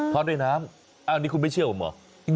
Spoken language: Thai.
อดด้วยน้ำอันนี้คุณไม่เชื่อผมเหรอ